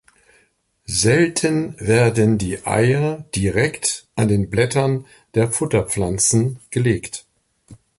Selten werden die Eier direkt an den Blättern der Futterpflanzen gelegt.